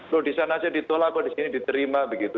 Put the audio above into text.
loh disana saja ditolak kok disini diterima begitu